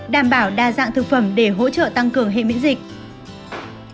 đảm bảo đa dạng thực phẩm để hỗ trợ tăng cường hệ miễn dịch